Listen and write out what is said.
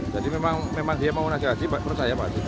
jadi memang dia mau naik haji percaya pak haji